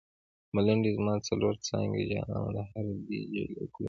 ملنډۍ: زما څلور څانګې جانانه د هرې څانګې دې جولۍ ګلونه وړمه